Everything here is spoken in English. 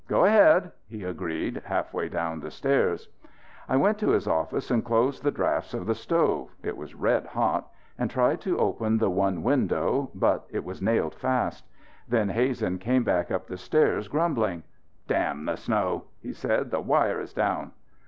"Go ahead," he agreed, halfway down the stairs. I went up to his office and closed the drafts of the stove it was red hot and tried to open the one window, but it was nailed fast. Then Hazen came back up the stairs grumbling. "Damn the snow!" he said. "The wire is down."